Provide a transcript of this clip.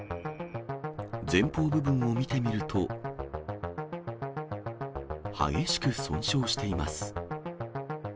前方部分を見てみると、激しく損傷しています。